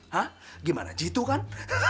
hah gimana jitu kan